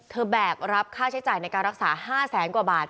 แบกรับค่าใช้จ่ายในการรักษา๕แสนกว่าบาท